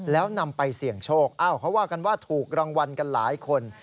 แล้วนำไปเสี่ยงโชคเขาว่ากันว่าถูกรางวัลกันหลายคน